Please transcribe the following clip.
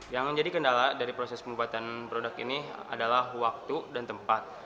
yang menjadi kendala dari proses pembuatan produk ini adalah waktu dan tempat